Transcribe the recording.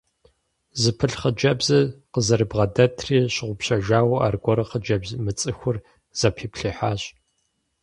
Зыпылъ хъыджэбзыр къызэрыбгъэдэтри щыгъупщэжауэ, аргуэру хъыджэбз мыцӏыхур зэпиплъыхьащ.